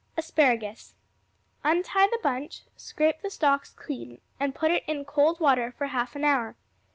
Asparagus Untie the bunch, scrape the stalks clean, and put it in cold water for half an hour.